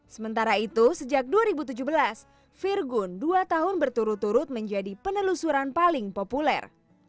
sementara itu sejak dua ribu tujuh belas virgun dua tahun berturut turut menjadi penelusuran paling populer